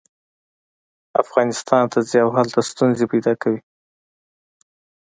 افغانستان ته ځي او هلته ستونزې پیدا کوي.